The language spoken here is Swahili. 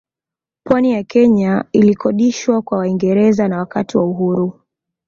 Pwani ya Kenya ilikodishwa kwa Waingereza na Wakati wa uhuru